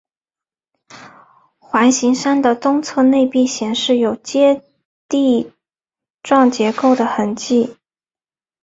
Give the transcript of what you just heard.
环形山的东侧内壁显示有阶地状结构的痕迹。